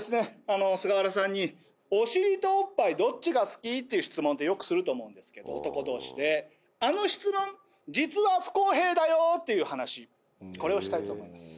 あの菅原さんにお尻とおっぱいどっちが好き？っていう質問ってよくすると思うんですけど男同士であの質問実は不公平だよっていう話これをしたいと思います